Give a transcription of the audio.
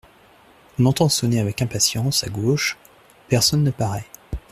On entend sonner avec impatience à gauche, personne ne paraît.